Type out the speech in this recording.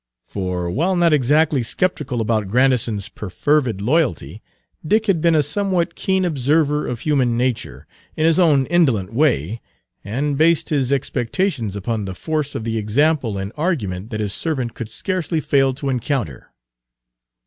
For while not exactly skeptical about Grandison's perfervid loyalty, Dick had been a somewhat keen observer of human nature, in his own indolent way, and based his expectations upon the force of the example and argument that his servant could scarcely fail to encounter.